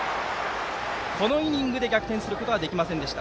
このイニングで逆転することはできませんでした。